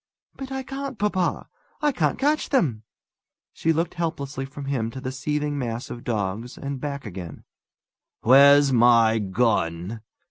"But I can't, papa. I can't catch them." She looked helplessly from him to the seething mass of dogs, and back again. "Where's my gun?"